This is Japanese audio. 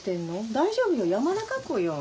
大丈夫よ山中湖よ。